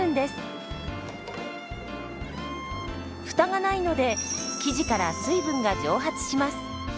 フタがないので生地から水分が蒸発します。